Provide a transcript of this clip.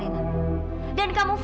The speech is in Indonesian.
semoga ada yang kenapa